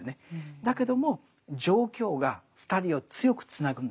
だけども状況が２人を強くつなぐんだって。